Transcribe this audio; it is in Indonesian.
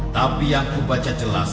tapi yang aku baca jelas